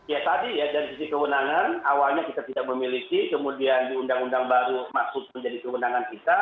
ya tadi ya dari sisi kewenangan awalnya kita tidak memiliki kemudian di undang undang baru maksud menjadi kewenangan kita